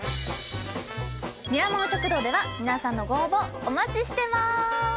ミラモン食堂では皆さんのご応募お待ちしてます。